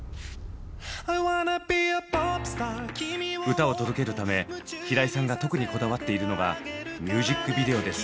歌を届けるため平井さんが特にこだわっているのがミュージックビデオです。